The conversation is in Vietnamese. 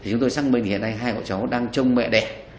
thì chúng tôi xác định hiện nay hai cậu cháu đang trông mẹ đẻ